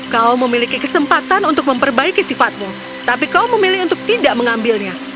kau memiliki kesempatan untuk memperbaiki sifatmu tapi kau memilih untuk tidak mengambilnya